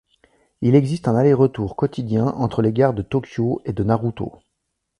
Il existe un aller-retour quotidien entre les gares de Tokyo et Narutō.